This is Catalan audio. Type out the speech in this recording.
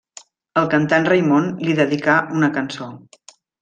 El cantant Raimon li dedicà una cançó.